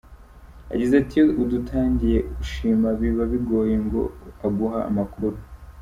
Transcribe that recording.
Yagize ati “Iyo udatangiye ushima biba bigoye ko aguha amakuru.